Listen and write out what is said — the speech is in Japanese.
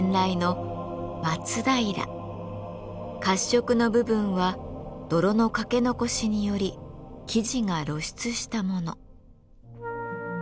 褐色の部分は泥のかけ残しにより素地が露出したもの。